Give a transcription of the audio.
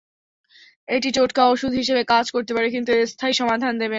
এটি টোটকা ওষুধ হিসেবে কাজ করতে পারে, কিন্তু স্থায়ী সমাধান দেবে না।